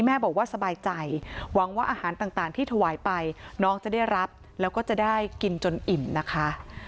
แม่บอกว่าสบายใจหวังว่าอาหารต่างที่ถวายไปน้องจะได้รับแล้วก็จะได้กินจนอิ่มนะคะ